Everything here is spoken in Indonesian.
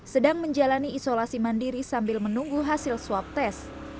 sedang menjalani isolasi mandiri sambil menunggu hasil swab tes